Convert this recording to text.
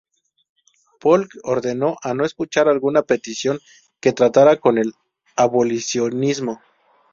Polk ordenó a no escuchar alguna petición que tratara con el abolicionismo.